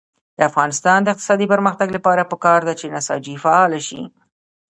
د افغانستان د اقتصادي پرمختګ لپاره پکار ده چې نساجي فعاله شي.